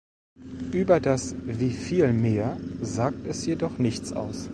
Über das Wie-viel-Mehr sagt es jedoch nichts aus.